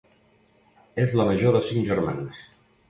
És la major de cinc germans.